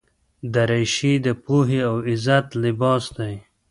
دریشي د پوهې او عزت لباس دی.